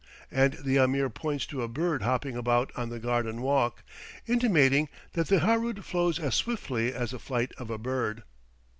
and the Ameer points to a bird hopping about on the garden walk, intimating that the Harood flows as swiftly as the flight of a bird.